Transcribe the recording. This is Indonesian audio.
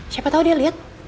siapa tau dia liat